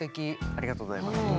ありがとうございます。